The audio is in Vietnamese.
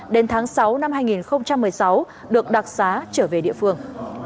đến tháng sáu năm hai nghìn một mươi sáu được đặc xá trở về địa phương